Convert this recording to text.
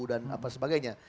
dan apa sebagainya